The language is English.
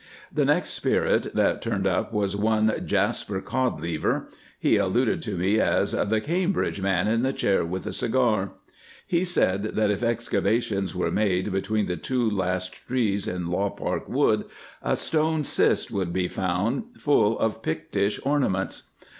The next spirit that turned up was one Jaspar Codlever. He alluded to me as "the Cambridge man in the chair with the cigar." He said that if excavations were made between the two last trees in Lawpark Wood a stone cist would be found full of Pictish ornaments.